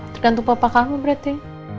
tergantung papa kamu berarti